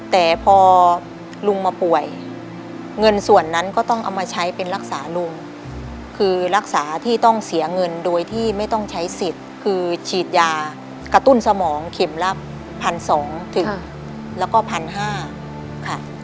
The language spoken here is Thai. แต่พอลุงมาป่วยเงินส่วนนั้นก็ต้องเอามาใช้เป็นรักษาลุงคือรักษาที่ต้องเสียเงินโดยที่ไม่ต้องใช้สิทธิ์คือฉีดยากระตุ้นสมองเข็มละ๑๒๐๐ถึงแล้วก็๑๕๐๐ค่ะ